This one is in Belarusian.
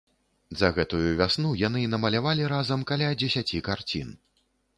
За гэтую вясну яны намалявалі разам каля дзесяці карцін.